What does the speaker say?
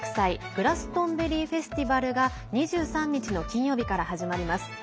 グラストンベリー・フェスティバルが２３日の金曜日から始まります。